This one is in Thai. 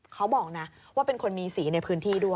เขาบอกนะว่าเป็นคนมีสีในพื้นที่ด้วย